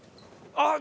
あっ！